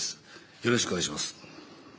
よろしくお願いします。